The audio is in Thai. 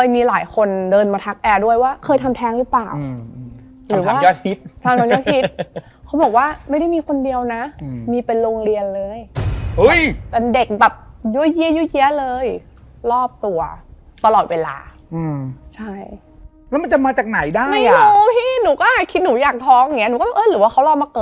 ไม่เข้าขวางอะไรอย่างเงี้ยแปลก